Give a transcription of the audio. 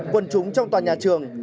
quân chúng trong toàn nhà trường